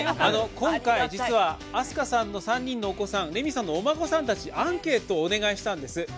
今回、実は明日香さんの３人のお子さんレミさんのお孫さんたちアンケートをお願いしたんです。